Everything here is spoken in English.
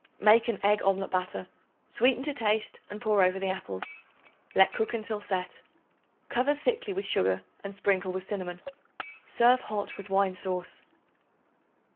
Make an egg omelet batter; sweeten to taste and pour over the apples; let cook until set. Cover thickly with sugar and sprinkle with cinnamon. Serve hot with wine sauce.